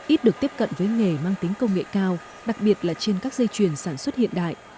ít được tiếp cận với nghề mang tính công nghệ cao đặc biệt là trên các dây chuyền sản xuất hiện đại